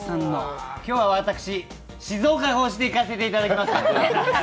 今日は私、静岡推しでいかせていただきました。